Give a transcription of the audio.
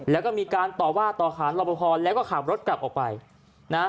แล้วก็มีการต่อว่าต่อขานรอปภแล้วก็ขับรถกลับออกไปนะฮะ